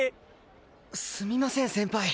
すみません先輩。